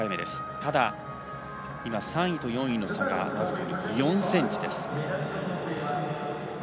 ただ３位と４位の差が僅かに４ｃｍです。